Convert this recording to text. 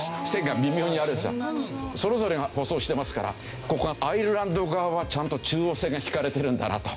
それぞれが舗装してますからここがアイルランド側はちゃんと中央線が引かれてるんだなと。